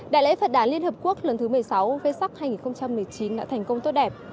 đại lễ phật đàn liên hợp quốc lần thứ một mươi sáu v sắc hai nghìn một mươi chín đã thành công tốt đẹp